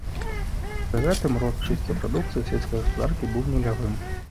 Пры гэтым рост чыстай прадукцыі сельскай гаспадаркі быў нулявым.